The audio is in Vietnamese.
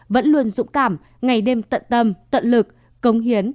vẫn luôn dũng cảm ngày đêm tận tâm tận lực công hiến